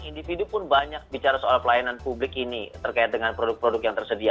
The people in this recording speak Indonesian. individu pun banyak bicara soal pelayanan publik ini terkait dengan produk produk yang tersedia